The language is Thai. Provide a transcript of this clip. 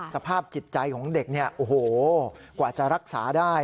สภาพจิตใจของเด็กเนี่ยโอ้โหกว่าจะรักษาได้